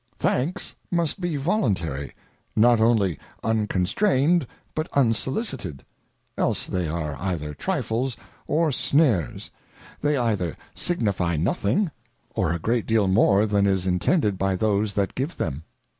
Thanks must be voluntary, not only unconstrained, but un solicited, else they are either Trifles or Snares; they either signifie 134 ^ Letter to a Dissenter. signifie nothing, or a great deal more than is intended by those that give them.